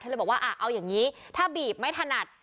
เลยบอกว่าเอาอย่างนี้ถ้าบีบไม่ถนัด